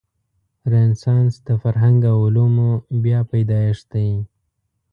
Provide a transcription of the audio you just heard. رنسانس د فرهنګ او علومو بیا پیدایښت دی.